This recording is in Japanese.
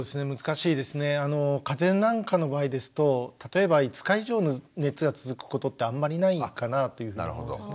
風邪なんかの場合ですと例えば５日以上の熱が続くことってあんまりないかなというふうに思うんですね。